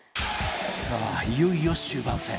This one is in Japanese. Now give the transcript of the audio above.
さあいよいよ終盤戦